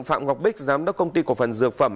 phạm ngọc bích giám đốc công ty cổ phần dược phẩm